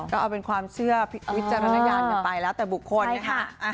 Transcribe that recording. ก็เอาเป็นความเชื่อวิจารณญาณกันไปแล้วแต่บุคคลนะคะ